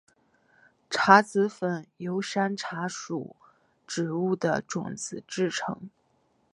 茶籽粉由山茶属植物的种子制成。